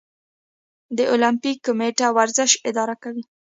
د المپیک کمیټه ورزش اداره کوي